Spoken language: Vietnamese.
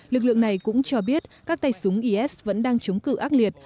lực lượng này cũng cho biết các tay súng is vẫn đang chống cử ác liệt